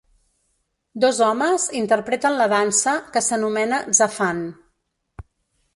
Dos homes interpreten la dansa, que s'anomena "Zaffan".